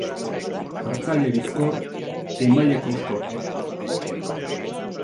Hartzaile bizkor, emaile koxkor.